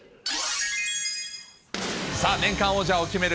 さあ、年間王者を決める